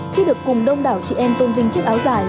khi được cùng đông đảo chị em tôn vinh chiếc áo dài